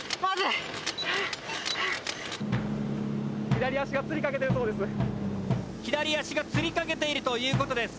左脚がつりかけているという事です。